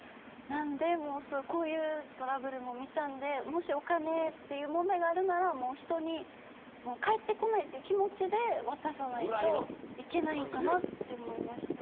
なのでこういうトラブルも見たのでもし、お金という問題があるなら返ってこないという気持ちで渡さないといけないのかなと思いました。